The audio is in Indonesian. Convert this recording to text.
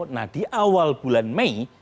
nah di awal bulan mei